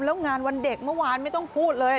แล้วงานวันเด็กเมื่อวานไม่ต้องพูดเลย